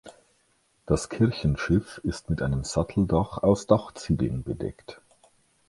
Das Kirchenschiff ist mit einem Satteldach aus Dachziegeln bedeckt.